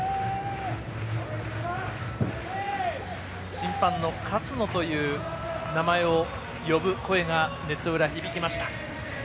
審判の勝野という名前を呼ぶ声がネット裏に響きました。